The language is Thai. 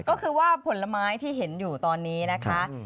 ก็คือว่าผลไม้ที่เห็นอยู่ตอนนี้นะคะ